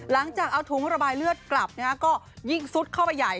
หลังจากเอาถุงระบายเลือดกลับก็ยิ่งซุดเข้าไปใหญ่